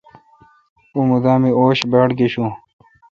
اں مودہ می اوش باڑگشوں۔